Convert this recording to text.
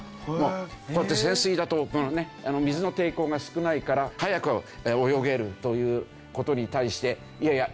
こうやって潜水だと水の抵抗が少ないから早く泳げるという事に対していやいや